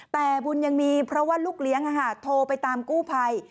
แต่บุญยังมีเพราะว่าลูกเลี้ยงโทรไปตามกู้ภัย